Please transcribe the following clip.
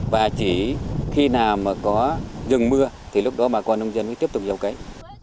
và chỉ khi nào mà có dừng mưa thì lúc đó bà con nông dân mới tiếp tục gieo cấy